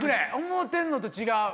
思うてんのと違う。